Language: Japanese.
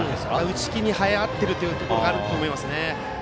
打ち気にはやっているところがあると思いますね。